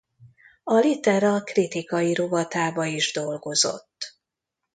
A Litera kritikai rovatába is dolgozott.